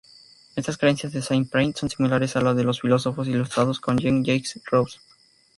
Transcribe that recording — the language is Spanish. Estas creencias de Saint-Pierre son similares a las de filósofos ilustrados como Jean-Jacques Rousseau.